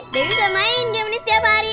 jadi debbie bisa main game ini setiap hari